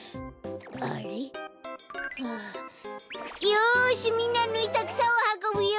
よしみんなぬいたくさをはこぶよ！